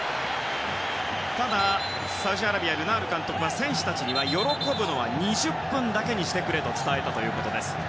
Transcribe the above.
ただ、サウジアラビアのルナール監督は、選手たちには喜ぶのは２０分だけにしてくれと伝えたそうです。